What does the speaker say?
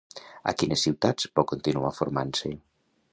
A quines ciutats va continuar formant-se?